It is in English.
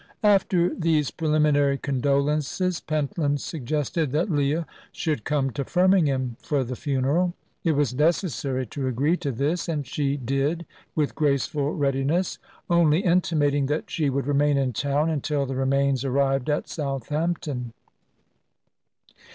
After these preliminary condolences Pentland suggested that Leah should come to Firmingham for the funeral. It was necessary to agree to this, and she did with graceful readiness; only intimating that she would remain in town, until the remains arrived at Southampton.